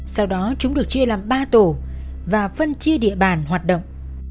sau đó chúng được chia làm ba tổ và phân chia địa bàn hoạt động